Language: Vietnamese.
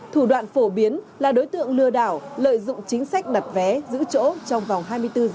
thủ đoạn phổ biến là đối tượng lừa đảo lợi dụng chính sách đặt vé giữ chỗ trong vòng hai mươi bốn h